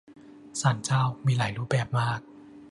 ศาลเจ้า มีหลายรูปแบบมาก